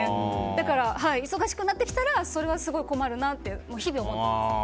だから、忙しくなってきたらそれはすごい困るなって日々思っていますね。